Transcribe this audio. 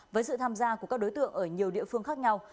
với sự tham gia của các đối tượng ở nhiều địa phương khác nhau